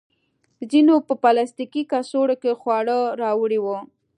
ځینو په پلاستیکي کڅوړو کې خواړه راوړي وو.